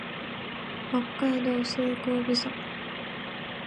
北海道西興部村